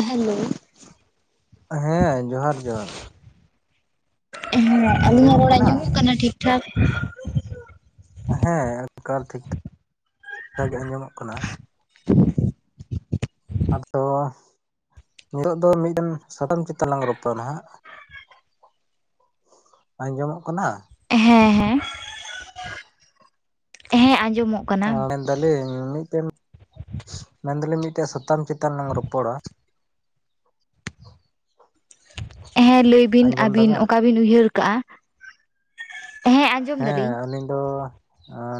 Hello ᱦᱮᱸᱻ ᱡᱚᱦᱟᱨ ᱡᱚᱦᱟᱨ᱾ ᱩᱸ, ᱟᱹᱞᱤᱧᱟᱜ ᱨᱚᱲ ᱟᱸᱡᱚᱢᱚᱜ ᱠᱟᱱᱟ ᱴᱷᱤᱠ ᱴᱷᱟᱠ? ᱦᱮᱸᱻ ᱮᱠᱟᱞ ᱴᱷᱤᱠ ᱴᱷᱟᱠ ᱴᱷᱤᱠ ᱴᱷᱟᱠ ᱜᱮ ᱟᱸᱡᱚᱢᱚᱜ ᱠᱟᱱᱟ᱾ [inaudible] ᱟᱫᱚ ᱱᱤᱛᱚᱜ ᱫᱚ ᱢᱤᱫᱴᱤᱱ ᱥᱟᱛᱟᱢ ᱪᱮᱛᱟᱱ ᱞᱟᱝ ᱨᱚᱯᱚᱲᱟ ᱱᱟᱜ᱾ ᱟᱸᱡᱚᱢᱚᱜ ᱠᱟᱱᱟ? ᱦᱮᱸ ᱦᱮᱸ᱾ ᱦᱮᱸ ᱟᱸᱡᱚᱢᱚᱜ᱾ ᱠᱟᱱᱟ ᱢᱮᱱᱫᱟᱞᱤᱧ ᱢᱤᱫᱴᱮᱱ, ᱢᱮᱱᱫᱟᱞᱤᱧ ᱢᱤᱫᱴᱮᱱ ᱥᱟᱛᱟᱢ ᱪᱮᱛᱟᱱ ᱞᱟᱝ ᱨᱚᱯᱚᱲᱟ᱾ ᱦᱮᱸ ᱞᱟᱹᱭ ᱵᱤᱱ ᱟᱸᱡᱚᱢ ᱟᱹᱵᱤᱱ ᱫᱟᱵᱮᱱ ᱚᱠᱟ ᱵᱤᱱ ᱩᱭᱦᱟᱹᱨ ᱠᱟᱜ-ᱟ? ᱦᱮᱸ ᱟᱹᱞᱤᱧ ᱫᱚ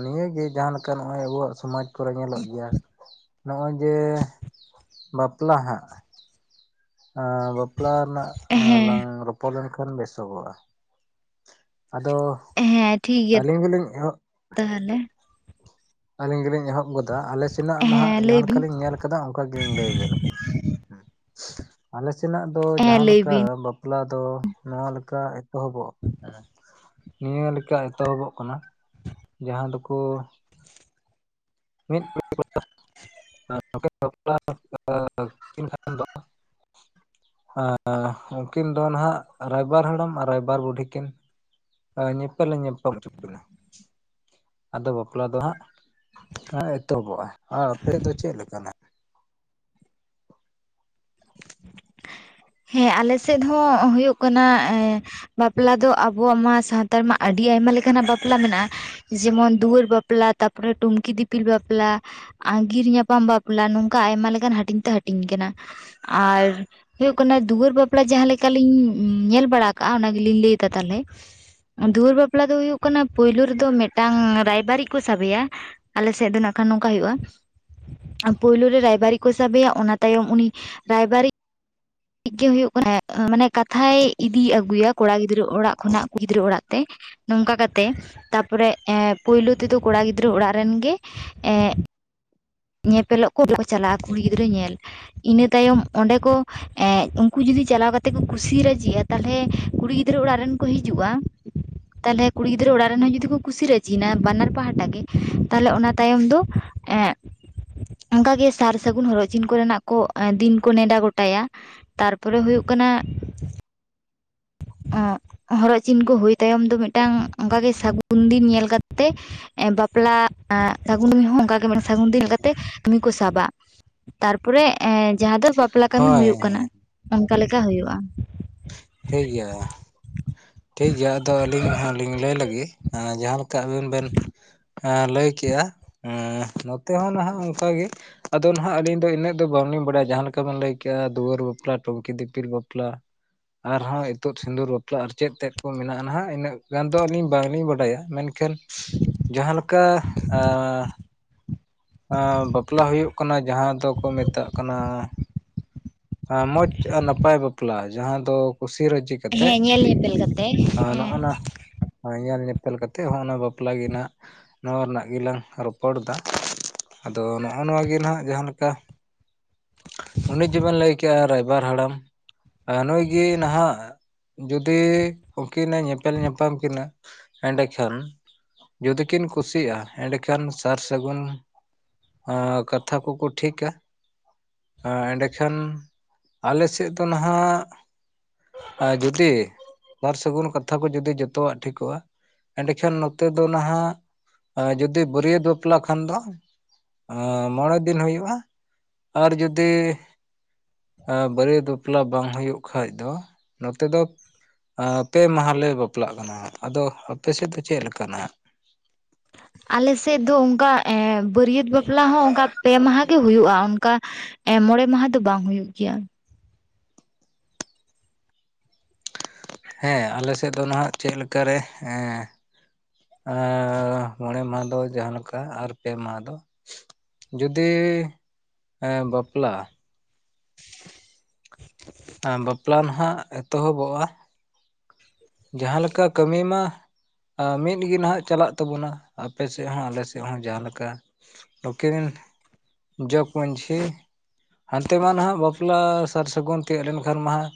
ᱱᱤᱭᱟᱹᱜᱮ ᱡᱟᱦᱟᱸᱞᱮᱠᱟ ᱱᱚᱜ-ᱚᱭ ᱟᱵᱚᱣᱟᱜ ᱥᱚᱢᱟᱡᱽ᱾ ᱠᱚᱨᱮ ᱧᱮᱸᱞᱚᱜ ᱜᱮᱭᱟ ᱱᱚᱜ-ᱚᱭ ᱡᱮ ᱵᱟᱯᱞᱟ ᱦᱟᱸᱜ᱾ ᱟᱸᱻ ᱵᱟᱯᱞᱟ ᱨᱮᱱᱟᱜ ᱞᱟᱝ ᱦᱮᱸ ᱨᱚᱯᱚᱲ ᱞᱮᱱᱠᱷᱟᱱ ᱵᱮᱥᱚᱜᱚᱜᱼᱟ᱾ ᱟᱫᱚ ᱦᱮᱸ ᱴᱷᱤᱠ ᱜᱮᱭᱟ ᱟᱹᱞᱤᱧ ᱜᱮᱞᱤᱧ ᱛᱟᱦᱞᱮ᱾ ᱟᱹᱞᱤᱧ ᱜᱮᱞᱤᱸᱧ ᱮᱦᱚᱵ ᱜᱚᱫᱟ, ᱟᱞᱮ ᱥᱮᱱᱟᱜ ᱱᱟᱦᱟᱜ ᱦᱮᱸ ᱡᱟᱦᱟᱸ ᱞᱟᱹᱭ ᱵᱤᱱ ᱞᱮᱠᱟᱞᱤᱧ ᱧᱮᱞ ᱚᱱᱠᱟ ᱜᱤᱧ ᱞᱟᱹᱭ ᱟᱵᱮᱱ ᱠᱟᱱᱟ ᱟᱞᱮ ᱥᱮᱱᱟᱜ ᱫᱚ ᱦᱮᱸ ᱡᱟᱦᱟᱸ ᱞᱟᱹᱭ ᱞᱮᱠᱟ ᱵᱤᱱ ᱵᱟᱵ ᱵᱟᱯᱞᱟ ᱫᱚ ᱱᱚᱣᱟ ᱞᱮᱠᱟ ᱮᱛᱚᱦᱚᱵᱚᱜ-ᱟ᱾ ᱱᱤᱭᱟᱹ ᱞᱮᱠᱟ ᱮᱛᱚᱦᱚᱵᱚᱜ ᱠᱟᱱᱟ᱾ ᱡᱟᱦᱟᱸ ᱫᱚᱠᱚ [unintelligible] ᱟ ᱩᱱᱠᱤᱱ ᱫᱚ ᱱᱟᱦᱟᱜ ᱨᱟᱭᱵᱟᱨ ᱦᱟᱲᱟᱢ ᱟᱨ ᱨᱟᱭᱵᱟᱨ ᱵᱩᱰᱷᱤ ᱠᱤᱱ᱾ ᱧᱮᱸᱯᱮᱞ ᱧᱟᱸᱯᱟᱢ ᱦᱚᱪᱚ ᱠᱤᱱᱟ᱾ ᱟᱫᱚ ᱵᱟᱯᱞᱟ ᱫᱚ ᱦᱟᱸᱜ ᱮᱛᱚᱦᱚᱵᱚᱜᱼᱟ, ᱟᱨ ᱟᱯᱮ ᱫᱚ ᱪᱮᱫ ᱞᱮᱠᱟᱟᱱᱟ? ᱦᱮᱸᱻ ᱟᱞᱮᱥᱮᱫ ᱦᱚᱸ ᱦᱩᱭᱩᱜ ᱠᱟᱱᱟ ᱮᱸᱻ ᱵᱟᱯᱞᱟ ᱫᱚ ᱟᱵᱚᱣᱟᱜ ᱢᱟ ᱥᱟᱶᱛᱟᱞ ᱢᱟ ᱟᱹᱰᱤ ᱟᱭᱢᱟ ᱞᱮᱠᱟᱱᱟᱜ ᱵᱟᱯᱞᱟ ᱢᱮᱱᱟᱜᱼᱟ᱾ ᱡᱮᱢᱚᱱ ᱫᱩᱣᱟᱹᱨ ᱵᱟᱯᱞᱟ, ᱛᱟᱨᱯᱚᱨᱮ ᱴᱩᱝᱠᱤ ᱫᱤᱯᱤᱞ ᱵᱟᱯᱞᱟ᱾ ᱟᱸᱜᱤᱨ ᱧᱟᱯᱟᱢ ᱵᱟᱯᱞᱟ ᱱᱚᱝᱠᱟ ᱟᱭᱢᱟ ᱞᱮᱠᱟᱱ ᱦᱟᱹᱴᱤᱧ ᱛᱮ ᱦᱟᱹᱴᱤᱧ ᱠᱟᱱᱟ᱾ ᱟᱨ ᱦᱩᱭᱩᱜ ᱠᱟᱱᱟ ᱫᱩᱣᱟᱹᱨ ᱵᱟᱯᱞᱟ ᱡᱟᱦᱟᱸᱞᱮᱠᱟ ᱞᱤᱸᱧ ᱧᱮᱞ ᱵᱟᱲᱟ ᱟᱠᱟᱜᱼᱟ᱾ ᱚᱱᱟ ᱜᱮᱞᱤᱸᱧ ᱞᱟᱹᱭᱫᱟ ᱛᱟᱦᱚᱞᱮ᱾ ᱫᱩᱣᱟᱹᱨ ᱵᱟᱯᱞᱟ ᱫᱚ ᱦᱩᱭᱩᱜ ᱠᱟᱱᱟ ᱯᱩᱭᱞᱩ ᱨᱮᱫᱚ ᱢᱤᱫᱴᱟᱝ ᱨᱟᱭᱵᱟᱨᱤᱡ ᱠᱚ ᱥᱟᱵᱮᱭᱟ᱾ ᱟᱞᱮᱥᱮᱫ ᱫᱚ ᱱᱟᱜ ᱠᱷᱟᱱ ᱱᱚᱝᱠᱟ ᱦᱩᱭᱩᱜᱼᱟ᱾ ᱯᱳᱭᱞᱳ ᱨᱮ ᱨᱟᱭᱵᱟᱨᱤᱡ ᱠᱚ ᱥᱟᱵᱮᱭᱟ ᱚᱱᱟ ᱛᱟᱭᱚᱢ ᱩᱱᱤ ᱨᱟᱭᱵᱟᱨᱤ [unintelligible] ᱦᱩᱭᱩᱜ ᱠᱟᱱᱟ ᱢᱟᱱᱮ ᱠᱟᱛᱷᱟᱭ ᱤᱫᱤ ᱟᱹᱜᱩᱭᱟ ᱠᱚᱲᱟ ᱜᱤᱫᱽᱨᱟᱹ ᱚᱲᱟᱜ ᱠᱷᱚᱱᱟᱜ ᱠᱩᱲᱤ ᱜᱤᱫᱽᱨᱟᱹ ᱚᱲᱟᱜ ᱛᱮ᱾ ᱱᱚᱝᱠᱟ ᱠᱟᱛᱮ ᱛᱟᱨᱯᱚᱨᱮ ᱮ ᱯᱳᱭᱞᱳ ᱛᱮᱫᱚ ᱠᱚᱲᱟ ᱜᱤᱫᱽᱨᱟᱹ ᱚᱲᱟᱜ ᱨᱮᱱ ᱜᱮ ᱮ ᱧᱮᱯᱮᱞᱚᱜ ᱠᱚ [unintelligible] ᱪᱟᱞᱟᱜᱼᱟ ᱠᱩᱲᱤ ᱜᱤᱫᱽᱨᱟᱹ ᱧᱮᱞ᱾ ᱤᱱᱟᱹ ᱛᱟᱭᱚᱢ ᱚᱸᱰᱮ ᱠᱚ ᱮᱸᱻ ᱩᱱᱠᱩ ᱡᱩᱫᱤ ᱪᱟᱞᱟᱣ ᱠᱟᱛᱮ ᱠᱚ ᱠᱩᱥᱟ ᱨᱟᱡᱤ ᱟ᱾ ᱛᱟᱦᱚᱞᱮ ᱠᱩᱲᱤ ᱜᱤᱫᱽᱨᱟᱹ ᱚᱲᱟᱜ ᱨᱮᱱ ᱠᱚ ᱦᱤᱡᱩᱜᱼᱟ᱾ ᱦᱩᱸ ᱛᱟᱦᱚᱞᱮ ᱠᱩᱲᱤ ᱜᱤᱫᱽᱨᱟᱹ ᱚᱲᱟᱜ ᱨᱮᱱ ᱦᱚᱸ ᱡᱩᱫᱤ ᱠᱚ ᱠᱩᱥᱤ ᱨᱟᱹᱡᱤ ᱱᱟ ᱵᱟᱱᱟᱨ ᱯᱟᱦᱴᱟ ᱜᱮ ᱛᱟᱦᱚᱞᱮ ᱚᱱᱟ ᱛᱟᱭᱚᱢ ᱫᱚ ᱮᱸᱻ ᱚᱱᱠᱟ ᱜᱮ ᱥᱟᱨ ᱥᱟᱹᱜᱩᱱ ᱦᱚᱨᱚᱜ ᱪᱤᱱ ᱠᱚᱨᱮᱱᱟᱜ ᱠᱚ ᱫᱤᱱ ᱠᱚ ᱱᱮᱰᱟ ᱜᱚᱴᱟᱭᱟ᱾ ᱛᱟᱨᱯᱚᱨᱮ ᱦᱩᱭᱩᱜ ᱠᱟᱱᱟ᱾ ᱟᱸ ᱦᱚᱨᱚᱜ ᱪᱤᱱ ᱠᱚ ᱦᱩᱭ ᱛᱟᱭᱚᱢ ᱫᱚ, ᱢᱤᱫᱴᱟᱝ ᱚᱱᱠᱟᱜᱮ ᱥᱟᱹᱜᱩᱱ ᱫᱤᱱ ᱧᱮᱞ ᱠᱟᱛᱮ᱾ ᱵᱟᱯᱞᱟ ᱥᱟᱹᱜᱩᱱ ᱨᱮ ᱦᱚᱸ [unintelligible] ᱚᱱᱠᱟ ᱜᱮ ᱢᱮᱱᱟᱜᱼᱟ᱾ ᱥᱟᱹᱜᱩᱱ ᱫᱤᱱ ᱧᱚᱜ ᱠᱟᱛᱮᱜ ᱠᱟᱹᱢᱤ ᱠᱚ ᱥᱟᱵᱟ, ᱛᱟᱨᱯᱚᱨᱮ ᱮᱸᱻ ᱡᱟᱦᱟᱸ ᱫᱚ᱾ ᱵᱟᱯᱞᱟ ᱠᱟᱹᱢᱤ ᱦᱳᱭ ᱦᱩᱭᱩᱜ ᱠᱟᱱᱟ ᱚᱱᱠᱟ ᱞᱮᱠᱟ ᱦᱩᱭᱩᱜᱼᱟ᱾ ᱴᱷᱤᱠᱜᱮᱭᱟ, ᱴᱷᱤᱠᱜᱮᱭᱟ ᱟᱫᱚ ᱟᱹᱞᱤᱧ ᱦᱚᱸᱞᱤᱧ ᱞᱟᱹᱭ ᱞᱮᱜᱮ ᱡᱟᱦᱟᱸ ᱞᱮ ᱠᱟ ᱟᱵᱤᱱ ᱵᱮᱱ ᱞᱟᱹᱭ ᱠᱮᱜᱼᱟ᱾ ᱱᱚᱛᱮ ᱦᱚᱸ ᱱᱟᱦᱟᱜ ᱚᱱᱠᱟᱜ ᱜᱮ᱾ ᱟᱫᱚ ᱱᱟᱦᱟᱸᱜ ᱟᱹᱞᱤᱧ ᱫᱚ ᱤᱱᱟᱹᱜ ᱫᱚ ᱵᱟᱝᱞᱤᱧ ᱵᱟᱲᱟᱭᱟ᱾ ᱡᱟᱦᱟᱸ ᱞᱮᱠᱟ ᱵᱤᱱ ᱞᱟᱹᱭ ᱠᱮᱜᱼᱟ, ᱫᱩᱣᱟᱹᱨ ᱵᱟᱯᱞᱟ ᱴᱩᱝᱠᱤ ᱫᱤᱯᱤᱞ ᱵᱟᱯᱞᱟ᱾ ᱟᱨᱦᱚᱸ ᱤᱛᱩᱫ ᱥᱤᱸᱫᱩᱨ ᱵᱟᱯᱞᱟ ᱟᱨ ᱪᱮᱫ ᱛᱮᱫ ᱠᱚ ᱢᱮᱱᱟᱜᱼᱟ, ᱱᱟᱦᱟᱜ ᱤᱱᱟᱹᱜ ᱜᱟᱱ ᱫᱚ ᱟᱹᱞᱤᱧ ᱵᱟᱝᱞᱤᱧ ᱵᱟᱰᱟᱭᱟ᱾ ᱢᱮᱱᱠᱷᱟᱱ ᱮᱠᱷᱟᱹᱱ ᱡᱟᱦᱟᱸ ᱞᱮᱠᱟ᱾ [inaudible] ᱟᱸ ᱵᱟᱯᱞᱟ ᱦᱩᱭᱩᱜ ᱠᱟᱱᱟ ᱡᱟᱦᱟᱸ ᱫᱚᱠᱚ ᱢᱮᱛᱟᱜ ᱠᱟᱱᱟ᱾ ᱢᱚᱸᱡᱽ ᱟᱨ ᱱᱟᱯᱟᱭ ᱵᱟᱯᱞᱟ ᱡᱟᱦᱟᱸ ᱫᱚ ᱠᱩᱥᱤ ᱨᱟᱹᱡ ᱦᱮᱸ ᱧᱮᱞ ᱧᱮᱯᱮᱞ ᱠᱟᱛᱮᱜ ᱦᱮᱸ- ᱦᱚᱭ ᱧᱮᱞ ᱧᱮᱯᱮᱞ ᱠᱟᱛᱮ ᱦᱚᱸ ᱚᱱᱟ ᱵᱟᱯᱞᱟ ᱜᱮ ᱦᱟᱸᱜ ᱱᱚᱣᱟ ᱨᱮᱱᱟᱜ ᱜᱮᱞᱟᱝ ᱨᱚᱯᱚᱲᱫᱟ᱾ ᱟᱫᱚ ᱱᱚᱜᱼᱚ ᱱᱚᱣᱟ ᱜᱮ ᱱᱟᱦᱱᱟᱜ ᱡᱟᱦᱟᱸ ᱞᱮᱠᱟ, ᱩᱱᱤ ᱡᱮᱵᱮᱱ ᱞᱟᱹᱭ ᱠᱮᱜᱼᱟ ᱨᱟᱭᱵᱟᱨ ᱦᱟᱲᱟᱢ ᱱᱩᱭ ᱜᱮ ᱱᱟᱦᱟᱜ ᱡᱩᱫᱤ ᱩᱱᱠᱤᱱᱮ ᱧᱮᱯᱮᱞ ᱧᱟᱯᱟᱢ ᱠᱤᱱᱟ ᱮᱸᱰᱮᱠᱷᱟᱱ᱾ ᱡᱩᱫᱤ ᱠᱤᱱ ᱠᱩᱥᱤᱭᱟᱜᱼᱟ, ᱮᱸᱰᱮᱠᱷᱟᱱ ᱥᱟᱨ ᱥᱟᱹᱜᱩᱱ ᱟᱸ ᱠᱟᱛᱷᱟ ᱠᱚᱠᱚ ᱴᱷᱤᱠᱼᱟ, ᱮᱸᱰᱮᱠᱷᱟᱱ ᱟᱞᱮ ᱥᱮᱫ ᱫᱚ ᱱᱟᱦᱟᱜ ᱟᱨ ᱡᱩᱫᱤ ᱥᱟᱨ ᱥᱟᱹᱜᱩᱱ ᱠᱟᱛᱷᱟ ᱠᱚ ᱡᱩᱫᱤ ᱡᱚᱛᱚᱣᱟᱜ ᱴᱷᱤᱠᱚᱜᱼᱟ᱾ ᱮᱸᱰᱮᱠᱷᱟᱱ ᱱᱚᱛᱮ ᱫᱚ ᱱᱟᱦᱟᱼᱜ, ᱡᱩᱫᱤ ᱵᱟᱹᱨᱭᱟᱹᱛ ᱵᱟᱯᱞᱟ ᱠᱷᱟᱱ ᱫᱚ᱾ ᱢᱚᱬᱮ ᱫᱤᱱ ᱦᱩᱭᱩᱜᱼᱟ ᱟᱨ ᱡᱩᱫᱤᱼᱼ ᱵᱟᱹᱨᱭᱟᱹᱛ ᱵᱟᱯᱞᱟ ᱵᱟᱝ ᱦᱩᱭᱩᱜ ᱠᱷᱟᱡ ᱫᱚ ᱱᱚᱛᱮ ᱫᱚᱼᱼ ᱯᱮ ᱢᱟᱦᱟ ᱞᱮ ᱵᱟᱯᱞᱟᱜ ᱠᱟᱱᱟ ᱟᱫᱚ ᱟᱯᱮ ᱥᱮᱫ ᱫᱚ ᱪᱮᱫ ᱞᱮᱠᱟᱱᱟᱜ ᱟᱞᱮ ᱥᱮᱫ ᱫᱚ ᱚᱱᱠᱟ ᱵᱟᱹᱨᱭᱟᱹᱛ ᱵᱟᱯᱞᱟ ᱦᱚᱸ ᱚᱱᱠᱟ ᱯᱮ ᱢᱟᱦᱟ ᱜᱮ ᱦᱩᱭᱩᱜᱼᱟ ᱚᱱᱠᱟ ᱮ ᱢᱚᱬᱮ ᱢᱟᱦᱟ ᱫᱚ ᱵᱟᱝ ᱦᱩᱭᱩᱜ ᱜᱮᱭᱟ᱾ ᱦᱮᱸ ᱟᱞᱮ ᱥᱮᱫ ᱫᱚ ᱱᱟᱦᱟᱜ ᱪᱮᱫ ᱞᱮᱠᱟ ᱨᱮ [unintelligible] ᱢᱚᱬᱮ ᱢᱟᱦᱟ ᱫᱚ ᱡᱟᱦᱟᱸ ᱞᱮᱠᱟ ᱟᱨ ᱯᱮ ᱢᱟᱦᱟ ᱫᱚᱼᱼ ᱡᱩᱫᱤ ᱵᱟᱯᱞᱟ ᱵᱟᱯᱞᱟ ᱱᱟᱦᱟᱜ ᱮᱛᱚᱦᱚᱵᱚᱜᱼᱟ ᱡᱟᱦᱟᱸ ᱞᱮᱠᱟ ᱠᱟᱹᱢᱤ ᱢᱟ ᱢᱤᱫ ᱜᱮ ᱱᱟᱦᱟᱜ ᱪᱟᱞᱟᱜ ᱛᱟᱵᱚᱱᱟ ᱟᱯᱮ ᱥᱮᱫ ᱦᱚᱸ ᱟᱞᱮ ᱥᱮᱫ ᱦᱚᱸ ᱡᱟᱦᱟᱸ ᱞᱮᱠᱟᱼᱼ [unintelligible] ᱡᱚᱜᱽ ᱢᱟᱺᱡᱷᱤ ᱦᱟᱱᱛᱮᱢᱟ ᱱᱟᱦᱟᱜ ᱵᱟᱯᱞᱟ ᱥᱟᱨ ᱥᱟᱹᱜᱩᱱ ᱛᱤᱭᱟᱹᱜ ᱞᱮᱱ ᱠᱷᱟᱱ ᱢᱟ ᱦᱟᱸᱜ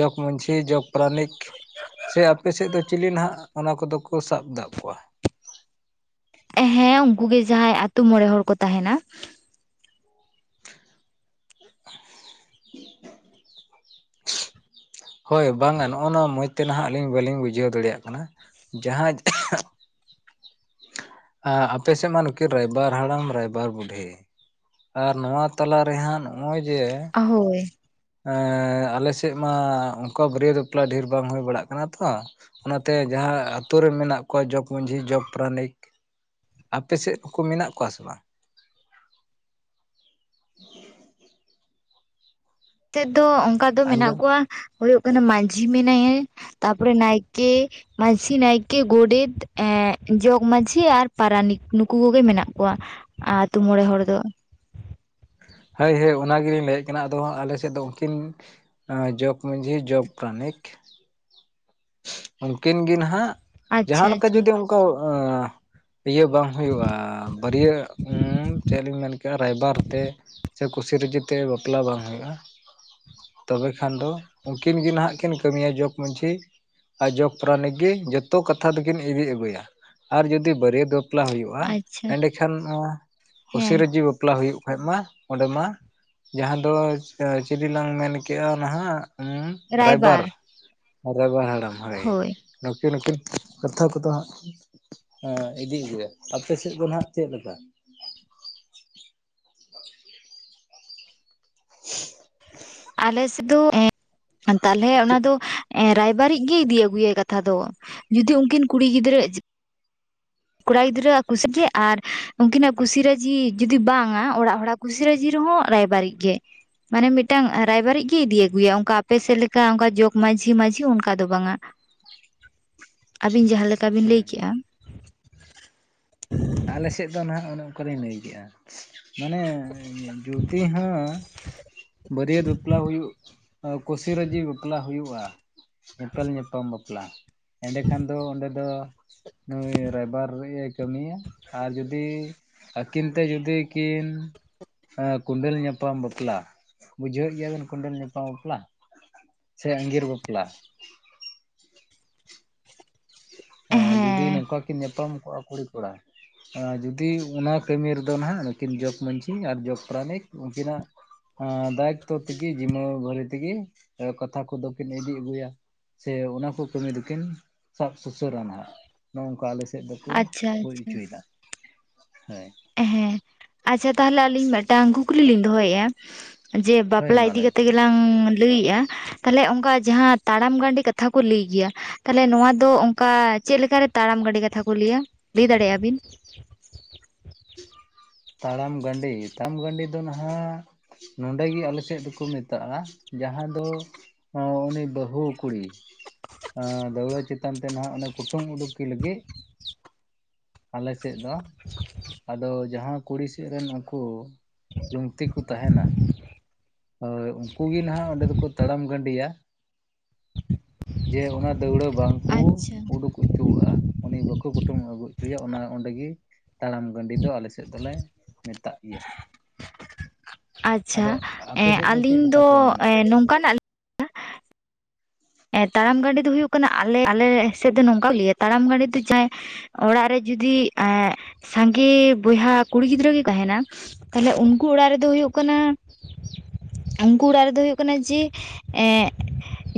ᱡᱚᱜᱽ ᱢᱟᱺᱡᱷᱤ ᱡᱚᱜᱽ ᱯᱟᱨᱟᱱᱤᱠ [inaudible] ᱥᱮ ᱟᱯᱮ ᱥᱮᱫ ᱫᱚ ᱪᱤᱞᱤ ᱱᱟᱦᱟᱜ ᱚᱱᱟ ᱠᱚᱫᱚ ᱠᱚ ᱥᱟᱵ [unintelligible] ᱠᱚᱣᱟ ᱦᱮᱸ ᱩᱱᱠᱩ ᱜᱮ ᱡᱟᱦᱟᱸᱭ ᱟᱛᱳ ᱢᱚᱬᱮ ᱦᱚᱲ ᱠᱚ ᱛᱟᱦᱮᱱᱟ [inaudible] ᱦᱳᱭ ᱵᱟᱝᱼᱟ ᱱᱚᱜᱼᱚᱭ ᱱᱚᱣᱟ ᱢᱚᱡᱽ ᱛᱮ ᱱᱟᱦᱟᱜ ᱟᱹᱞᱤᱧ ᱵᱟᱹᱞᱤᱧ ᱵᱩᱡᱷᱟᱹᱣ ᱫᱟᱲᱮᱭᱟᱜ ᱠᱟᱱᱟ ᱡᱟᱦᱟᱸ ᱟᱯᱮ ᱥᱮᱫ ᱢᱟ ᱱᱩᱠᱤᱱ ᱨᱟᱭᱵᱟᱨ ᱦᱟᱲᱟᱢ ᱨᱟᱭᱵᱟᱨ ᱵᱩᱰᱷᱤ ᱟᱨ ᱱᱚᱣᱟ ᱛᱟᱞᱟ ᱨᱮ ᱦᱟᱸᱜ ᱱᱚᱜᱼᱚᱭ ᱡᱮ ᱦᱳᱭ ᱟᱞᱮ ᱥᱮᱫ ᱢᱟ ᱚᱱᱠᱟ ᱵᱟᱹᱨᱭᱟᱹᱛ ᱵᱟᱯᱞᱟ ᱰᱷᱮᱨ ᱵᱟᱝ ᱦᱩᱭ ᱵᱟᱲᱟᱜ ᱠᱟᱱᱟ ᱛᱚ ᱚᱱᱟ ᱛᱮ ᱡᱟᱦᱟᱸ ᱟᱹᱛᱩ ᱨᱮ ᱢᱮᱱᱟᱜ ᱠᱚᱣᱟ ᱡᱚᱜᱽ ᱢᱟᱺᱡᱷᱤ ᱡᱚᱜᱽ ᱯᱟᱨᱟᱱᱤᱠ ᱟᱯᱮ ᱥᱮᱫ ᱠᱚ ᱢᱮᱱᱟᱜ ᱠᱚᱣᱟ ᱥᱮ ᱵᱟᱝᱼᱼ [inaudible] ᱛᱮᱫ ᱫᱚ ᱚᱱᱠᱟ ᱫᱚ ᱢᱮᱱᱟᱜ ᱟᱸᱡᱚᱢ ᱠᱚᱣᱟ ᱦᱩᱭᱩᱜ ᱠᱟᱱᱟ ᱢᱟᱹᱡᱷᱤ ᱢᱮᱱᱟᱭᱟ ᱛᱟᱯᱚᱨᱮ ᱱᱟᱭᱠᱮᱼᱼ ᱢᱟᱺᱡᱷᱤ ᱱᱟᱭᱠᱮ ᱜᱚᱰᱮᱛ ᱮ ᱡᱚᱜᱽ ᱢᱟᱺᱡᱷᱤ ᱟᱨ ᱯᱟᱨᱟᱱᱤᱠ ᱱᱩᱠᱩ ᱠᱚ ᱜᱮ ᱢᱮᱱᱟᱜ ᱠᱚᱣᱟ᱾ ᱟᱹᱛᱩ ᱢᱚᱲᱮ ᱦᱚᱲ ᱫᱚ ᱦᱳᱭ ᱦᱳᱭ ᱚᱱᱟ ᱜᱮ ᱞᱤᱧ ᱞᱟᱹᱭ ᱮᱫ ᱠᱟᱱᱟ [unintelligible] ᱟᱫᱚ ᱟᱞᱮ ᱥᱮᱫ ᱫᱚ ᱩᱱᱠᱤᱱ ᱡᱚᱠᱽ ᱢᱟᱺᱡᱷᱤ ᱡᱚᱠᱽ ᱯᱨᱟᱱᱤᱠ ᱩᱱᱠᱤᱱ ᱜᱮ ᱱᱟᱜ ᱟᱪᱪᱷᱟ ᱡᱟᱦᱟᱸ ᱞᱮᱠᱟ ᱟᱪᱪᱷᱟ ᱡᱩᱫᱤ ᱚᱱᱠᱟ᱾ ᱤᱭᱟᱹ ᱵᱟᱝ ᱦᱩᱭᱩᱜᱼᱟ ᱵᱟᱹᱨᱭᱟᱹᱛ ᱪᱮᱫ ᱞᱤᱧ ᱢᱮᱱ ᱠᱮᱜᱼᱟ ᱨᱟᱭᱵᱟᱨ ᱛᱮᱼᱼ ᱥᱮ ᱠᱩᱥᱤ ᱨᱟᱡᱤ ᱛᱮ ᱵᱟᱯᱞᱟ ᱵᱟᱝ ᱦᱩᱭᱩᱜᱼᱟ᱾ [inaudible] ᱛᱚᱵᱮ ᱠᱷᱟᱱ ᱫᱚ ᱩᱱᱠᱤᱱ ᱜᱮ ᱱᱟᱜ ᱠᱤᱱ ᱠᱟᱹᱢᱤᱭᱟ ᱡᱚᱜᱽ ᱢᱟᱺᱡᱷᱤ ᱟᱡ ᱡᱚᱠᱽ ᱯᱨᱟᱱᱤᱠ ᱜᱮ ᱡᱚᱛᱚ ᱠᱟᱛᱷᱟ ᱫᱚ ᱠᱤᱱ ᱤᱫᱤ ᱟᱹᱜᱩᱭᱟ ᱟᱨ ᱡᱩᱫᱤ ᱵᱟᱹᱨᱭᱟᱹᱛ ᱵᱟᱯᱞᱟ ᱦᱩᱭᱩᱜᱼᱟ᱾ ᱟᱪᱪᱷᱟ ᱮᱸᱰᱮ ᱠᱷᱟᱱ ᱢᱟ ᱠᱩᱥᱤ ᱦᱮᱸ ᱨᱟᱹᱡᱤ ᱵᱟᱯᱞᱟ ᱦᱩᱭᱩᱜ ᱠᱷᱟᱡ ᱢᱟ᱾ ᱚᱸᱰᱮ ᱢᱟ ᱡᱟᱦᱟᱸ ᱫᱚ ᱪᱤᱞᱤ ᱞᱟᱝ ᱢᱮᱱᱠᱮᱜᱼᱟ ᱱᱟᱦᱟᱜ ᱦᱩᱸ ᱨᱟᱭᱵᱟᱨ ᱨᱟᱭᱵᱟᱨ ᱦᱟᱲᱟᱢ ᱦᱳᱭ ᱱᱩᱠᱤᱱ ᱱᱩᱠᱤᱱ ᱠᱟᱛᱷᱟ ᱠᱚᱫᱚ ᱦᱟᱸᱜᱼᱼ ᱦᱮᱸ ᱤᱫᱤ [unintelligible] ᱟᱯᱮ ᱥᱮᱫ ᱫᱚ ᱱᱟᱜ ᱪᱮᱫ ᱞᱮᱠᱟ᱾ [inaudible] ᱟᱞᱮ ᱥᱮᱫ ᱫᱚ [unintelligible] ᱛᱟᱦᱞᱮ ᱚᱱᱟ ᱪᱮᱫ ᱫᱚᱼᱼ ᱮ ᱨᱟᱭᱵᱟᱨ ᱤᱡ ᱜᱮ ᱤᱫᱤ ᱟᱜᱩᱭᱟ ᱠᱟᱛᱷᱟ ᱫᱚ ᱡᱩᱫᱤ ᱩᱱᱠᱤᱱ ᱠᱩᱲᱤ ᱜᱤᱫᱽᱨᱟᱹ᱾ ᱠᱚᱲᱟ ᱜᱤᱫᱽᱨᱟᱹᱣ ᱟᱜ ᱠᱩᱥᱤ ᱜᱮ ᱟᱨ ᱩᱱᱠᱤᱱᱟᱜ ᱠᱩᱥᱤ ᱨᱟᱡᱤ ᱡᱩᱫᱤ ᱵᱟᱝᱼᱟ ᱚᱲᱟᱜ ᱦᱚᱲᱟᱜᱼᱼ ᱠᱩᱥᱤ ᱨᱟᱹᱡᱤ ᱨᱮ ᱦᱚᱸ ᱨᱟᱭᱵᱟᱨ ᱤᱡ ᱜᱮᱼᱼ ᱢᱟᱱᱮ ᱢᱤᱫᱴᱟᱝ ᱨᱟᱭᱵᱟᱨ ᱤᱡ ᱜᱮ ᱤᱫᱤ ᱟᱹᱜᱩᱭᱟ ᱚᱱᱠᱟ ᱟᱯᱮ ᱥᱮᱫ ᱞᱮᱠᱟ ᱚᱱᱠᱟ ᱡᱚᱜᱽ ᱢᱟᱹᱡᱷᱤ ᱢᱟᱹᱡᱷᱤ ᱚᱱᱠᱟ ᱫᱚ ᱵᱟᱝᱼᱟ᱾ [inaudible] ᱟᱹᱵᱤᱱ ᱡᱟᱦᱟᱸ ᱞᱮᱠᱟ ᱵᱤᱱ ᱞᱟᱹᱭ ᱦᱮᱸ ᱠᱮᱜᱼᱟ᱾ ᱟᱞᱮ ᱥᱮᱫ ᱫᱚ ᱱᱟᱦᱟᱜ ᱚᱱᱮ ᱚᱱᱠᱟ ᱞᱤᱧ ᱞᱟᱹᱭ ᱠᱮᱜ-ᱟ ᱢᱟᱱᱮ ᱡᱩᱫᱤ ᱦᱚᱸ ᱵᱟᱹᱨᱭᱟᱹᱛ ᱵᱟᱯᱞᱟ ᱦᱩᱭᱩᱜ ᱠᱩᱥᱤ ᱨᱟᱹᱡᱤ ᱵᱟᱯᱞᱟ ᱦᱩᱭᱩᱜ-ᱟ᱾ ᱧᱮᱯᱮᱞ ᱧᱟᱯᱟᱢ ᱵᱟᱯᱞᱟ ᱮᱸᱰᱮᱠᱷᱟᱱ ᱫᱚ ᱚᱸᱰᱮ ᱫᱚ ᱱᱩᱭ ᱨᱟᱭᱵᱟᱨ [unintelligible] ᱠᱟᱹᱢᱤᱭᱟ ᱟᱨ ᱡᱩᱫᱤ ᱟᱹᱠᱤᱱ ᱛᱮ ᱡᱩᱫᱤ ᱠᱤᱱ ᱦᱟᱸ ᱠᱚᱸᱰᱟᱹᱮᱞ ᱧᱟᱯᱟᱢ ᱵᱟᱯᱞᱟ ᱵᱩᱡᱷᱟᱹᱣᱮᱫ ᱜᱮᱭᱟᱢ ᱠᱩᱸᱰᱟᱹᱮᱞ ᱧᱟᱯᱟᱢ ᱵᱟᱯᱞᱟ᱾ ᱥᱮ ᱟᱸᱜᱤᱨ ᱵᱟᱯᱞᱟ᱾ ᱡᱩᱫᱤ ᱦᱮᱸ ᱱᱚᱝᱠᱟ ᱠᱤᱱ ᱧᱟᱯᱟᱢ ᱠᱚᱜ-ᱟ ᱠᱩᱲᱤ ᱠᱚᱲᱟ᱾ ᱟᱨ ᱡᱩᱫᱤ ᱚᱱᱟ ᱠᱟᱹᱢᱤ ᱨᱮᱫᱚ ᱱᱟᱜ ᱱᱩᱠᱤᱱ ᱡᱚᱜᱽ ᱢᱟᱺᱡᱷᱤ ᱟᱨ ᱡᱚᱜᱽ ᱯᱟᱨᱟᱱᱤᱠ ᱩᱱᱠᱤᱱᱟᱜ ᱫᱟᱭᱤᱛᱛᱚ ᱛᱮᱜᱮ ᱡᱤᱢᱟᱹ ᱵᱷᱟᱹᱨᱮ ᱛᱮᱜᱮ ᱠᱟᱛᱷᱟ ᱠᱚᱫᱚ ᱠᱤᱱ ᱤᱫᱤ ᱟᱹᱜᱩᱭᱟ᱾ ᱥᱮ ᱚᱱᱟ ᱠᱚ ᱠᱟᱹᱢᱤ ᱫᱚᱠᱤᱱ ᱥᱟᱵ ᱥᱩᱥᱟᱹᱨᱟ ᱦᱟᱸᱜ ᱱᱚᱜ ᱱᱚᱝᱠᱟ ᱟᱞᱮ ᱥᱮᱫ ᱫᱚᱠᱚ ᱟᱪᱪᱷᱟ ᱦᱩᱭ ᱟᱪᱪᱷᱟ ᱚᱪᱚ ᱭᱮᱫᱟ ᱦᱮᱸ᱾ ᱦᱮᱸ ᱟᱪᱪᱷᱟ ᱛᱟᱦᱚᱞᱮ ᱟᱹᱞᱤᱧ ᱢᱤᱫ ᱴᱟᱝ ᱠᱩᱠᱞᱤ ᱞᱤᱧ ᱫᱚᱦᱚᱭᱮᱫ-ᱟ᱾ ᱡᱮ ᱦᱳᱭ ᱵᱟᱯᱞᱟ ᱢᱟ ᱤᱫᱤ ᱞᱟᱹᱭ ᱢᱮ ᱠᱟᱛᱮᱫ ᱜᱮᱞᱟᱝ ᱞᱟᱹᱭᱮᱜ-ᱟ᱾ ᱛᱟᱦᱚᱞᱮ ᱚᱱᱠᱟ ᱡᱟᱦᱟᱸ ᱛᱟᱲᱟᱢ ᱜᱟᱹᱰᱤ ᱠᱟᱛᱷᱟ ᱠᱚ ᱞᱟᱹᱭ ᱜᱮᱭᱟ᱾ ᱛᱟᱦᱚᱞᱮ ᱱᱚᱶᱟ ᱫᱚ ᱚᱱᱠᱟ ᱪᱮᱫ ᱞᱮᱠᱟ ᱨᱮ ᱛᱟᱲᱟᱢ ᱜᱟᱹᱰᱤ ᱠᱟᱛᱷᱟ ᱠᱚ ᱞᱟᱹᱭᱟ ᱞᱟᱹᱭ ᱫᱟᱲᱮ ᱭᱟᱜ ᱵᱤᱱ? [unintelligible] ᱛᱟᱲᱟᱢ ᱜᱟᱹᱰᱮ ᱛᱟᱲᱟᱢ ᱜᱟᱹᱰᱮ ᱫᱚ ᱱᱟᱦᱟᱜ ᱱᱚᱹᱰᱮ ᱜᱮ ᱟᱞᱮ ᱥᱮᱫ ᱫᱚᱠᱚ ᱢᱮᱛᱟᱜ-ᱟ ᱡᱟᱦᱟᱸ ᱫᱚ ᱻᱩᱱᱤ ᱵᱟᱦᱩ ᱠᱩᱲᱤ ᱫᱟᱹᱣᱲᱟᱹ ᱪᱮᱛᱟᱱ ᱛᱮ ᱱᱟᱦᱟᱜ ᱚᱱᱮ ᱠᱩᱴᱩᱢ ᱩᱰᱩᱠᱤ ᱞᱟᱹᱜᱤᱫ ᱟᱞᱮ ᱥᱮᱫ ᱫᱚ [unintelligible] ᱟᱫᱚ ᱡᱟᱦᱟᱸ ᱠᱩᱲᱤ ᱥᱮᱫ ᱨᱮᱱ ᱩᱱᱠᱩ ᱞᱩᱝᱛᱤ ᱠᱚ ᱛᱟᱦᱮᱱᱟ ᱦᱳᱭ ᱩᱱᱠᱩ ᱜᱮ ᱱᱟᱦᱟᱜ ᱚᱸᱰᱮ ᱫᱚᱠᱚ ᱛᱟᱲᱟᱢ ᱜᱟᱹᱰᱤᱭᱟ ᱡᱮ ᱚᱱᱟ ᱫᱟᱹᱣᱲᱟᱹ ᱵᱟᱝ ᱠᱩ ᱟᱪᱪᱷᱟ ᱩᱰᱩᱠ ᱚᱪᱚᱣᱟᱜ-ᱟ ᱩᱱᱤ ᱵᱟᱠᱚ ᱠᱩᱴᱩᱢ ᱟᱹᱜᱩ ᱪᱚᱭᱟ ᱚᱱᱟ ᱚᱸᱰᱮ ᱜᱮ ᱛᱟᱲᱟᱢ ᱜᱟᱹᱰᱤ ᱫᱚ ᱟᱞᱮ ᱥᱮᱫ ᱫᱚᱞᱮ ᱢᱮᱛᱟᱜ ᱜᱮᱭᱟ᱾ ᱟᱪᱪᱷᱟ ᱟᱫᱚ ᱟᱯᱮ ᱥᱮᱫ ᱪᱮᱫ ᱟᱹᱞᱤᱧ ᱞᱮᱠᱟ ᱫᱚ ᱯᱮ ᱢᱮᱱᱟ ᱱᱚᱝᱠᱟᱱᱟᱜ ᱞᱤᱧ ᱛᱟᱲᱟᱢ ᱜᱟᱹᱰᱮ ᱫᱚ ᱦᱩᱭᱩᱜ ᱠᱟᱱᱟ ᱟᱞᱮ ᱟᱞᱮ ᱥᱮᱫ ᱫᱚ ᱱᱚᱝᱠᱟ ᱞᱟᱹᱭ ᱟ ᱛᱟᱲᱟᱢ ᱜᱟᱹᱰᱮ ᱫᱚ ᱡᱟᱦᱟᱸᱭ ᱚᱲᱟᱜ ᱨᱮ ᱡᱩᱫᱤ ᱮᱸᱜ ᱥᱟᱸᱜᱮ ᱵᱚᱭᱦᱟ ᱠᱩᱲᱤ ᱜᱤᱫᱽᱨᱟᱹ ᱜᱮ ᱛᱟᱦᱮᱱᱟ ᱛᱟᱦᱚᱞᱮ ᱩᱱᱠᱩ ᱚᱲᱟᱜ ᱨᱮᱫᱚ ᱦᱩᱭᱩᱜ ᱠᱟᱱᱟ ᱩᱱᱠᱩ ᱚᱲᱟᱜ ᱨᱮᱫᱚ ᱦᱩᱭᱩᱜ ᱠᱟᱱᱟ ᱡᱮ ᱮᱸᱜ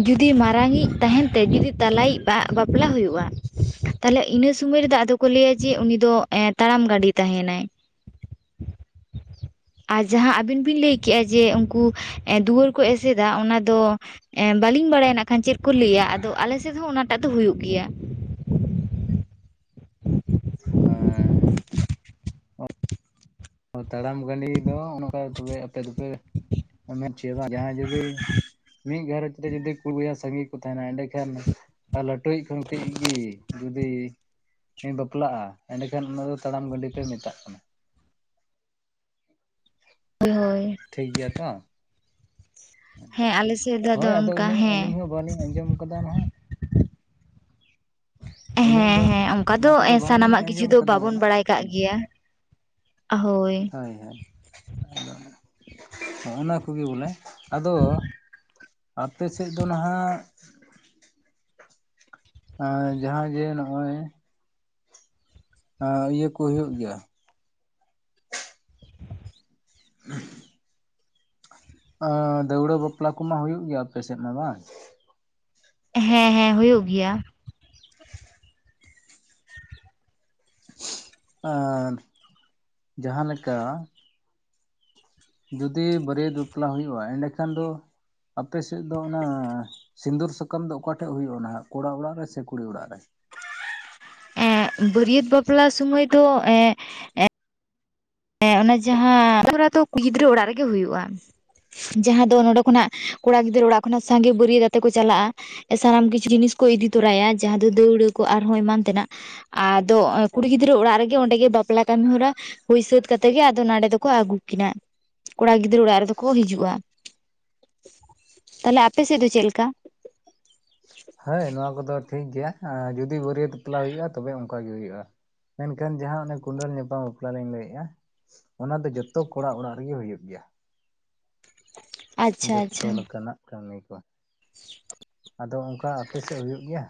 ᱡᱩᱫᱤ ᱢᱟᱨᱟᱝ ᱤᱡ ᱛᱟᱦᱮᱱ ᱛᱮ ᱡᱩᱫᱤ ᱛᱟᱞᱟᱭᱤᱡ ᱵᱟ ᱵᱟᱯᱞᱟ ᱦᱩᱭᱩᱜ-ᱟ᱾ ᱛᱟᱦᱚᱞᱮ ᱤᱱᱟᱹ ᱥᱚᱢᱚᱭ ᱨᱮᱫᱚ ᱟᱫᱚ ᱠᱚ ᱞᱟᱹᱭ ᱟ ᱡᱮ ᱩᱱᱤ ᱫᱚ ᱮ ᱛᱟᱲᱟᱢ ᱜᱟᱹᱰᱤ ᱛᱟᱦᱮᱱᱟᱭ᱾ [inaudible] ᱟᱨ ᱡᱟᱦᱟᱸ ᱟᱵᱤᱱ ᱵᱤᱱ ᱞᱟᱹᱭ ᱠᱮᱜ-ᱟ ᱡᱮ ᱩᱱᱠᱩ ᱫᱩᱣᱟᱹᱨ ᱠᱚ ᱮᱥᱮᱫᱟ ᱚᱱᱟ ᱫᱚ ᱮᱸ ᱵᱟᱹᱞᱤᱧ ᱵᱟᱲᱟᱭᱟ ᱱᱟᱜ ᱠᱷᱟᱱ ᱪᱮᱫ ᱠᱚ ᱞᱟᱹᱭ ᱟ ᱟᱫᱚ ᱟᱞᱮ ᱥᱮᱫ ᱦᱚᱸ ᱚᱱᱟᱴᱟᱜ ᱫᱚ ᱦᱩᱭᱩᱜ ᱜᱮᱭᱟ᱾ ᱦᱮᱸ ᱛᱟᱲᱟᱢ ᱜᱟᱹᱰᱤ ᱫᱚ ᱚᱱᱠᱟ ᱛᱮ ᱟᱯᱮ ᱫᱚᱯᱮ ᱢᱮᱱ ᱦᱚᱪᱚᱭᱟ ᱵᱟᱝ ᱡᱟᱦᱟᱸᱭ ᱡᱩᱫᱤ ᱢᱤᱫ ᱜᱷᱟᱨᱚᱸᱧᱡᱽ ᱨᱮ ᱡᱩᱫᱤ ᱠᱩᱲᱤ ᱵᱚᱭᱦᱟ ᱥᱟᱸᱜᱤ ᱠᱚ ᱛᱟᱦᱮᱱᱟ ᱮᱸᱰᱮ ᱠᱷᱟᱱ ᱞᱟ ᱞᱟᱴᱩᱭᱤᱡ ᱠᱷᱟᱱ ᱞᱟᱴᱩᱭᱤᱡ ᱜᱮ ᱡᱩᱫᱤ ᱵᱟᱯᱞᱟᱜ-ᱟ ᱮᱸᱰᱮᱠᱷᱟᱱ ᱚᱱᱟ ᱫᱚ ᱛᱟᱲᱟᱢ ᱜᱟᱹᱰᱤ ᱯᱮ ᱢᱮᱛᱟᱜ ᱠᱟᱱᱟ᱾ ᱦᱳᱭ ᱴᱷᱤᱠ ᱜᱮᱭᱟ ᱛᱚ᱾ ᱦᱮᱸ ᱟᱞᱮ ᱥᱮᱫ ᱫᱚ ᱦᱳᱭ ᱟᱫᱚ ᱚᱱᱠᱟ ᱤᱱᱟᱹᱜ ᱟᱹᱞᱤᱧ ᱦᱮᱸ ᱦᱚᱸ ᱵᱟᱹᱞᱤᱧ ᱟᱸᱡᱚᱢ ᱠᱟᱫᱟ ᱱᱟᱦᱟᱜ ᱤᱱᱟᱹᱜ ᱦᱮᱸ ᱫᱚ ᱦᱮᱸ ᱚᱱᱠᱟ ᱚᱱᱟ ᱫᱚ ᱠᱚᱫᱚ ᱵᱟᱝᱞᱤᱧ ᱥᱟᱱᱟᱢᱟᱜ ᱠᱤᱪᱷᱩ ᱟᱸᱡᱚᱢ ᱫᱚ ᱟᱠᱟᱫᱟ ᱵᱟᱵᱚᱱ ᱵᱚᱞᱮ ᱵᱟᱲᱟᱭ ᱠᱟᱜ ᱜᱮᱭᱟ ᱦᱳᱭ ᱦᱳᱭ ᱦᱳᱭ ᱟᱫᱚ [inaudible] ᱚᱱᱟ ᱠᱚᱜᱮ ᱵᱚᱞᱮ ᱟᱫᱚ ᱟᱯᱮ ᱥᱮᱫ ᱫᱚ ᱱᱟᱦᱟᱜ? ᱟᱨ ᱡᱟᱦᱟᱸ ᱡᱮ ᱱᱚᱜ-ᱚᱭ ᱟᱻ ᱤᱭᱟᱹ ᱠᱚ ᱦᱩᱭᱩᱜ ᱜᱮᱭᱟ? [inaudible] ᱟᱨ ᱫᱟᱹᱣᱲᱟᱹ ᱵᱟᱯᱞᱟ ᱠᱚᱢᱟ ᱦᱩᱭᱩᱜ ᱜᱮᱭᱟ ᱟᱯᱮ ᱥᱮᱫ ᱢᱟ ᱵᱟᱝ? ᱦᱮᱸ ᱦᱮᱸ ᱦᱩᱭᱩᱜ ᱜᱮᱭᱟ ᱾ ᱟᱨ ᱡᱟᱦᱟᱸ ᱞᱮᱠᱟ ᱡᱩᱫᱤ ᱵᱟᱹᱨᱭᱟᱹᱛ ᱵᱟᱯᱞᱟ ᱦᱩᱭᱩᱜ-ᱟ, ᱮᱸᱰᱮᱠᱷᱟᱱ ᱫᱚ ᱟᱯᱮ ᱥᱮᱫ ᱫᱚ ᱚᱱᱟ ᱥᱤᱸᱫᱩᱨ ᱥᱟᱠᱟᱢ ᱫᱚ ᱚᱠᱟ ᱴᱷᱮᱡ ᱦᱩᱭᱩᱜ-ᱟ ᱱᱟᱦᱟᱜ? ᱠᱚᱲᱟ ᱚᱲᱟᱜ ᱨᱮ ᱥᱮ ᱠᱩᱲᱤ ᱚᱲᱟᱜ ᱨᱮ? ᱮᱸᱜ ᱵᱟᱹᱨᱭᱟᱹᱛ ᱵᱟᱯᱞᱟ ᱥᱚᱢᱚᱭ ᱫᱚ ᱮᱻ ᱦᱮᱸ ᱚᱱᱟ ᱡᱟᱦᱟᱸ [inaudible] ᱫᱚ ᱠᱩᱲᱤ ᱜᱤᱫᱽᱨᱟᱹ ᱚᱲᱟᱜ ᱨᱮᱜᱮ ᱦᱩᱭᱩᱜ-ᱟ ᱾ ᱡᱟᱦᱟᱸ ᱫᱚ ᱱᱚᱰᱮ ᱠᱷᱚᱱᱟᱜ ᱠᱚᱲᱟ ᱜᱤᱫᱽᱨᱟᱹ ᱚᱲᱟᱜ ᱠᱷᱚᱱᱟᱜ ᱥᱟᱸᱜᱮ ᱵᱟᱹᱨᱭᱟᱹᱛ ᱟᱛᱮ ᱠᱚ ᱪᱟᱞᱟᱜ-ᱟ ᱾ ᱥᱟᱱᱟᱢ ᱠᱤᱪᱷᱩ ᱡᱤᱱᱤᱥ ᱠᱚ ᱤᱫᱤ ᱛᱚᱨᱟᱭᱟ ᱡᱟᱦᱟᱸ ᱫᱚ ᱫᱟᱹᱣᱲᱟᱹ ᱠᱚ ᱟᱨᱦᱚᱸ ᱮᱢᱟᱱ ᱛᱮᱱᱟᱜ ᱾ ᱟᱫᱚ ᱠᱩᱲᱤ ᱜᱤᱫᱽᱨᱟᱹ ᱚᱲᱟᱜ ᱨᱮᱜᱮ ᱚᱸᱰᱮ ᱜᱮ ᱵᱟᱯᱞᱟ ᱠᱟᱹᱢᱤ ᱦᱚᱨᱟ ᱦᱩᱭ ᱥᱟᱹᱛ ᱠᱟᱛᱮ ᱜᱮ ᱟᱫᱚ ᱱᱟᱸᱰᱮ ᱫᱚᱠᱚ ᱟᱹᱜᱩ ᱠᱤᱱᱟ ᱠᱚᱲᱟ ᱜᱤᱫᱽᱨᱟᱹ ᱚᱲᱟᱜ ᱨᱮᱫᱚ ᱠᱚ ᱦᱤᱡᱩᱜ-ᱟ ᱾ ᱛᱟᱦᱚᱞᱮ ᱟᱯᱮ ᱥᱮᱫ ᱫᱚ ᱪᱮᱞᱠᱟ? ᱦᱮᱸ ᱱᱚᱣᱟ ᱠᱚᱫᱚ ᱴᱷᱤᱠ ᱜᱮᱭᱟ ᱮ ᱡᱩᱫᱤ ᱵᱟᱹᱨᱭᱟᱹᱛ ᱵᱟᱯᱞᱟ ᱦᱩᱭᱩᱜ-ᱟ ᱛᱚᱵᱮ ᱚᱱᱠᱟ ᱜᱮ ᱦᱩᱭᱩᱜ-ᱟ ᱾ ᱢᱮᱱᱠᱷᱟᱱ ᱡᱟᱦᱟᱸ ᱚᱱᱮ ᱠᱩᱸᱰᱟᱹᱞ ᱧᱟᱯᱟᱢ ᱵᱟᱯᱞᱟ ᱞᱤᱧ ᱞᱟᱹᱭᱮᱜ-ᱟ ᱚᱱᱟ ᱫᱚ ᱡᱚᱛᱚ ᱠᱚᱲᱟ ᱚᱲᱟᱜ ᱨᱮᱜᱮ ᱦᱩᱭᱩᱜ ᱜᱮᱭᱟ ᱾ ᱟᱪᱪᱷᱟ ᱡᱚᱛᱚ ᱟᱪᱪᱷᱟ ᱞᱮᱠᱟᱱᱟᱜ ᱠᱟᱹᱢᱤ ᱠᱚ᱾ ᱟᱫᱚ ᱚᱱᱠᱟ ᱟᱯᱮ ᱥᱮᱫ ᱦᱩᱭᱩᱜ ᱜᱮᱭᱟ?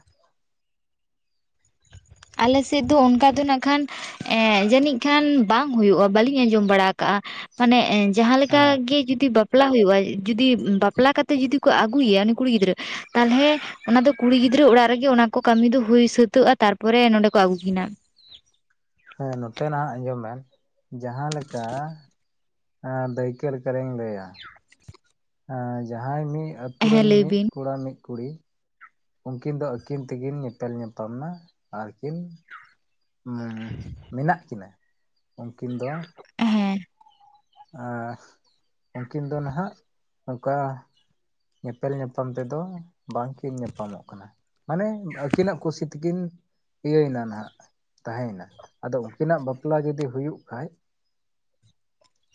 ᱟᱞᱮ ᱥᱮᱫ ᱫᱚ ᱚᱱᱠᱟ ᱫᱚ ᱱᱟᱜ ᱠᱷᱟᱱ ᱮᱸᱜ ᱡᱟᱹᱱᱤᱡ ᱠᱷᱟᱱ ᱵᱟᱝ ᱦᱩᱭᱩᱜ-ᱟ ᱵᱟᱹᱞᱤᱧ ᱟᱸᱡᱚᱢ ᱵᱟᱲᱟ ᱠᱟᱜ-ᱟ ᱾ ᱢᱟᱱᱮ ᱮ ᱡᱟᱦᱟᱸ ᱞᱮᱠᱟ ᱦᱮᱸ ᱜᱮ ᱡᱩᱫᱤ ᱵᱟᱯ ᱵᱟᱯᱞᱟ ᱦᱩᱭᱩᱜᱼᱟ ᱡᱩᱫᱤ ᱵᱟᱯᱞᱟ ᱠᱟᱛᱮᱜ ᱡᱩᱫᱤ ᱠᱚ ᱟᱹᱜᱩᱮᱭᱟ ᱩᱱᱤ ᱠᱩᱲᱤ ᱜᱤᱫᱽᱨᱟᱹ ᱛᱟᱞᱦᱮ ᱚᱱᱟ ᱫᱚ ᱠᱩᱲᱤ ᱜᱤᱫᱽᱨᱟᱹ ᱚᱲᱟᱜ ᱨᱮᱜᱮ ᱚᱱᱟ ᱠᱚ ᱠᱟᱹᱢᱤ ᱫᱚ ᱦᱩᱭ ᱥᱟᱹᱛᱟᱹᱜᱼᱟ ᱛᱟᱨ ᱯᱚᱨᱮ ᱱᱚᱸᱰᱮ ᱠᱚ ᱟᱹᱜᱩ ᱠᱤᱱᱟ ᱾ ᱦᱮᱸ ᱱᱚᱛᱮ ᱱᱟᱦᱟᱜ ᱟᱸᱡᱚᱢ ᱵᱮᱱ ᱡᱟᱦᱟᱸ ᱞᱮᱠᱟ ᱦᱮᱸ ᱫᱟᱹᱭᱠᱟᱹ ᱞᱮᱠᱟ ᱞᱤᱧ ᱞᱟᱹᱭᱟ ᱾ ᱮᱸ ᱡᱟᱦᱟᱸᱭ ᱢᱤᱫ ᱟᱹᱛᱩ ᱦᱮᱸ ᱨᱮᱱ ᱞᱟᱹᱭ ᱢᱤᱫ ᱵᱤᱱ ᱠᱚᱲᱟ ᱢᱤᱫ ᱠᱩᱲᱤ ᱩᱝᱠᱤᱱ ᱫᱚ ᱟᱹᱠᱤᱱ ᱛᱮᱠᱤᱱ ᱧᱮᱯᱮᱞ ᱧᱟᱯᱟᱢ ᱢᱟ ᱟᱨᱠᱤᱱ ᱩᱸ ᱢᱮᱱᱟᱜ ᱠᱤᱱᱟ ᱩᱝᱠᱤᱱ ᱫᱚ ᱦᱮᱸ ᱟᱻ ᱩᱝᱠᱤᱱ ᱫᱚ ᱱᱟᱦᱟᱜ ᱱᱚᱝᱠᱟ ᱧᱮᱯᱮᱞ ᱧᱟᱯᱟᱢ ᱛᱮᱫᱚ ᱵᱟᱝᱠᱤᱱ ᱧᱟᱯᱟᱢᱚᱜ ᱠᱟᱱᱟ ᱾ ᱢᱟᱱᱮ ᱟᱹᱠᱤᱱᱟᱜ ᱠᱩᱥᱤ ᱛᱮᱠᱤᱱ ᱤᱭᱟᱹᱭ ᱱᱟ ᱱᱟᱦᱟᱜ ᱾ ᱛᱟᱦᱮᱭᱱᱟ ᱟᱫᱚ ᱩᱝᱠᱤᱱᱟᱜ ᱵᱟᱯᱞᱟ ᱡᱩᱫᱤ ᱦᱩᱭᱩᱜ ᱠᱷᱟᱡ ᱾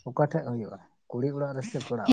ᱚᱠᱟ ᱴᱷᱮᱡ ᱦᱩᱭᱩᱜᱼᱟ ᱠᱩᱲᱤ ᱚᱲᱟᱜ ᱨᱮ ᱥᱮ ᱠᱚᱲᱟ ᱚᱲᱟᱜ?